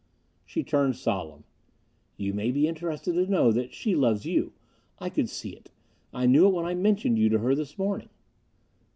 She turned solemn. "You may be interested to know that she loves you. I could see it. I knew it when I mentioned you to her this morning."